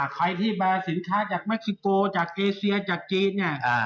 ใครที่มาสินค้าจากเม็กซิโกจากเอเซียจากจีนเนี่ย